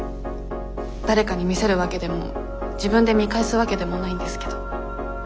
誰かに見せるわけでも自分で見返すわけでもないんですけど。